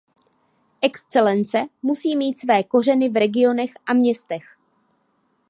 Excelence musí mít své kořeny v regionech a městech.